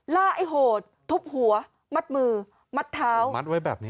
ไอ้โหดทุบหัวมัดมือมัดเท้ามัดไว้แบบนี้